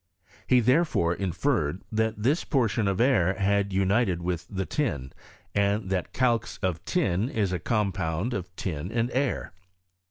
He therefore inferred, that this portion of air had united with the tin, and that caix of tin is a compound of tin and air.